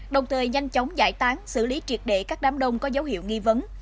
đồng thời nhanh chóng giải tán xử lý triệt để các đám đông có dấu hiệu nghi vấn